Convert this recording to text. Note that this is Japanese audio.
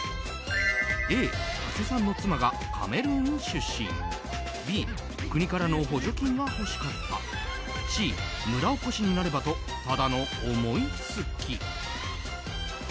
Ａ、長谷さんの妻がカメルーン出身Ｂ、国からの補助金が欲しかったＣ、村おこしになればとただの思い付き。